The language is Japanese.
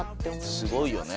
すごいよね。